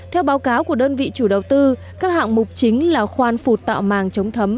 theo báo cáo của đơn vị chủ đầu tư các hạng mục chính là khoan phục tạo màng chống thấm